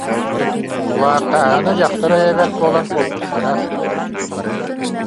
Кулаактааһыны, дьахтар өйө бэрт буолан, куоппуттара